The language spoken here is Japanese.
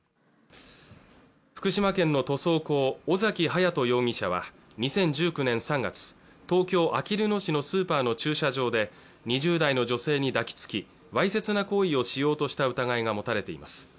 福島県の塗装工尾崎勇人容疑者は２０１９年３月東京あきる野市のスーパーの駐車場で２０代の女性に抱きつきわいせつな行為をしようとした疑いが持たれています